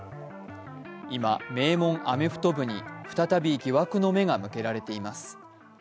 今、名門アメフト部に再び疑惑の目が向けられています。